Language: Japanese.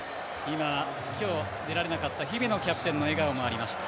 今日出られなかった姫野キャプテンの笑顔もありました。